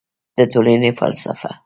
د ټولنې فلسفه